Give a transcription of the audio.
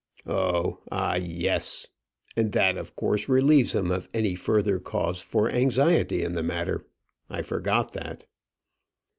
"Oh! ah! yes; and that of course relieves him of any further cause for anxiety in the matter. I forgot that."